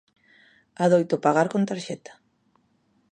Adoito pagar con tarxeta.